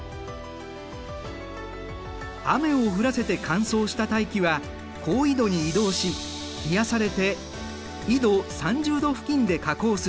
雨を降らせて乾燥した大気は高緯度に移動し冷やされて緯度３０度付近で下降する。